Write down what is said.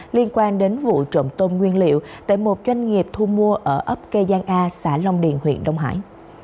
liên quan đến vụ trộm tôm nguyên liệu tại một doanh nghiệp thu mua ở ấp kê giang a xã long điền huyện đông hải